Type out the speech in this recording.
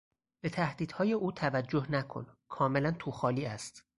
به تهدیدهای او توجه نکن; کاملا تو خالی است.